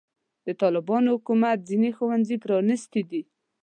د طالبانو حکومت ځینې ښوونځي پرانستې دي.